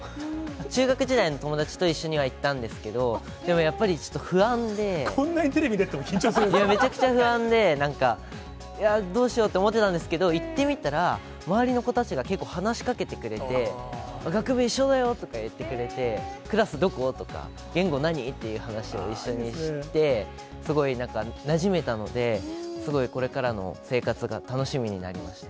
中学時代の友達と一緒には行ったんですけど、でもやっぱり、こんなにテレビに出てても緊めちゃくちゃ不安で、なんか、いやー、どうしようって思ってたんですけど、行ってみたら、周りの子たちが結構話しかけてくれて、学部一緒だよとかって言ってくれて、クラスどこ？とか、言語何？っていう話を一緒にして、すごいなんかなじめたので、すごいこれからの生活が楽しみになりました。